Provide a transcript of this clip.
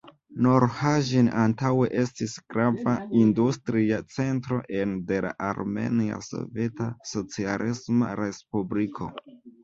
Nor Haĝn antaŭe estis grava industria centro ene de la Armena Soveta Socialisma Respubliko.